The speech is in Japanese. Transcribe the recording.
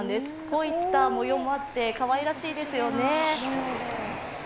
こういった模様もあって、かわいらしいですよね。